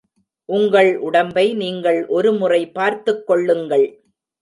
உங்கள் உடம்பை நீங்கள் ஒரு முறை பார்த்துக்கொள்ளுங்கள்.